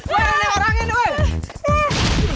weh lewarangin weh